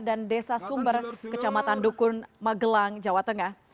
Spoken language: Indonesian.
dan desa sumber kecamatan dukun magelang jawa tengah